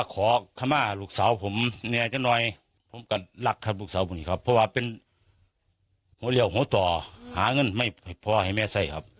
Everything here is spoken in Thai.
ขอขมาลูกสาวผมจะรักครับผมเป็นโหต่อหาเงินไม่พอให้ไหม้ไทยครับ